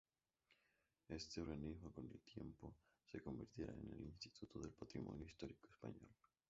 Este organismo con el tiempo se convertirá en el Instituto del Patrimonio Histórico Español.